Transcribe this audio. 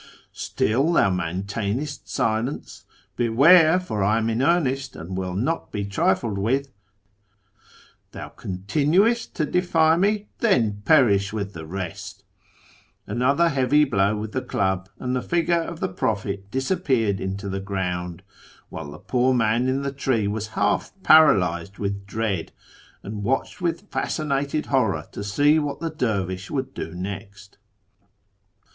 ... Still thou maintainest silence ? Beware, for I am in earnest, and will not be trifled with. ... Thou continuest to defy me ? Then perish with the rest !' Another heavy blow with the club, and the figure of the Prophet disappeared into the ground, while the poor man in the tree was half paralysed with dread, and watched with fascinated horror to see what the dervish would do next.